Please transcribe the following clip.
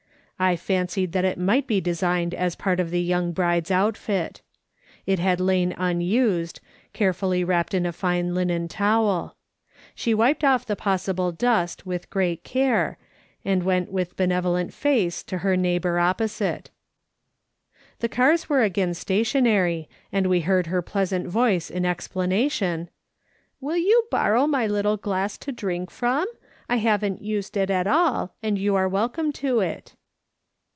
I fancied that it might be designed as part of the ymmg bride's outfit. It had lain unused, carefully wrapped in a fine linen towel. iShe wiped off the possible dust with great care, and went with benevolent face to her neighbour oppposite. The cars were again stationary, and we heard her pleasant voice in explanation :" Will you borrow my little glass to drink from ? I haven't used it at all, and you're welcome to it."